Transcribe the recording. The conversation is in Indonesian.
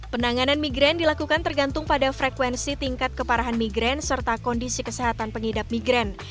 penanganan migren dilakukan tergantung pada frekuensi tingkat keparahan migren serta kondisi kesehatan pengidap migren